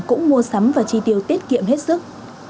cũng mua sắm và tri tiêu tiết kiệm hết sức